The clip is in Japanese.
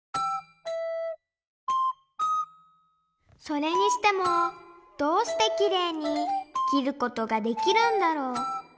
それにしてもどうしてきれいに切ることができるんだろう？